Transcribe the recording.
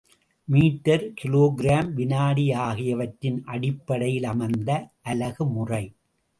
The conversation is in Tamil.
மீட்டர் கிலோகிராம் வினாடி ஆகியவற்றின் அடிப்படையில் அமைந்த அலகு முறை.